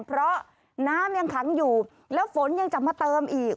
เพราะน้ำยังขังอยู่แล้วฝนยังจะมาเติมอีก